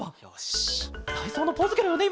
たいそうのポーズケロよね？